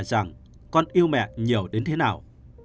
rằng con yêu mẹ nhiều đến thế nào